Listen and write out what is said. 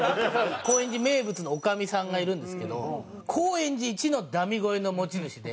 高円寺名物の女将さんがいるんですけど高円寺一のダミ声の持ち主で。